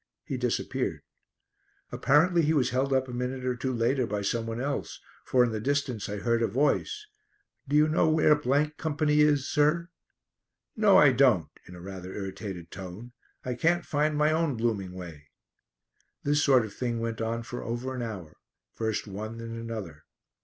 He disappeared. Apparently he was held up a minute or two later by some one else, for in the distance I heard a voice, "Do you know where Company is, sir?" "No, I don't," in a rather irritated tone. "I can't find my own blooming way." This sort of thing went on for over an hour; first one then another.